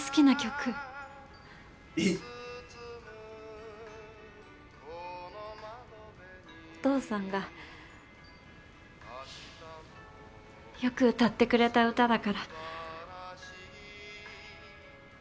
『君といつまでも』お父さんがよく歌ってくれた歌だから。